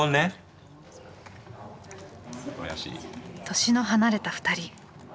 年の離れた２人。